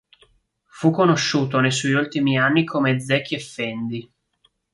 Fu conosciuto nei suoi ultimi anni come "Zeki Effendi".